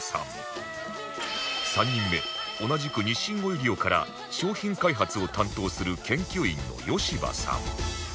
３人目同じく日清オイリオから商品開発を担当する研究員の吉場さん